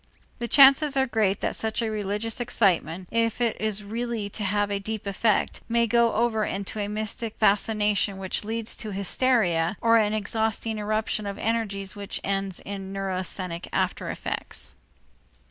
The chances are great that such a religious excitement, if it is really to have a deep effect, may go over into a mystic fascination which leads to hysteria or into an exhausting eruption of energies which ends in neurasthenic after effects.